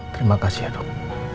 terima kasih ya dok